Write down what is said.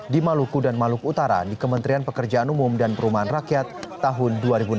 di maluku dan maluku utara di kementerian pekerjaan umum dan perumahan rakyat tahun dua ribu enam belas